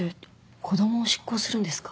子供を執行するんですか？